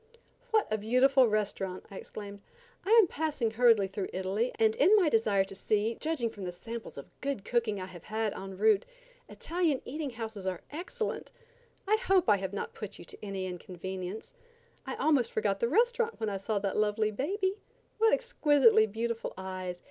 "What a beautiful restaurant!" I exclaimed. "I am passing hurriedly through Italy and in my desire to see, judging from the samples of good cooking I have had en route, Italian eating houses are excellent. I hope I have not put you to any inconvenience. I almost forgot the restaurant when I saw that lovely baby. What exquisitely beautiful eyes!